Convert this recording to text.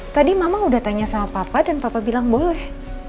tadi mama udah tanya sama papa dan papa bilang boleh